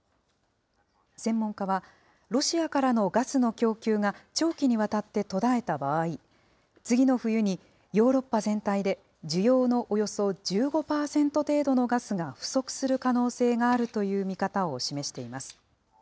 専門家は、ロシアからのガスの供給が長期にわたって途絶えた場合、次の冬にヨーロッパ全体で需要のおよそ１５％程度のガスが不足する可能性があるという見方を示しています。